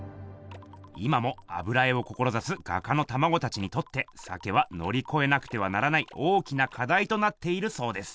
今も油絵をこころざす画家のたまごたちにとって「鮭」はのりこえなくてはならない大きなかだいとなっているそうです。